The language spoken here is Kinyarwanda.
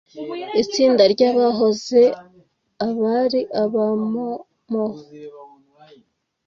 Itsinda ry’abahoze abari aba-Mau Mau